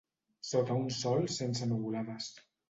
Sota un sol sense nuvolades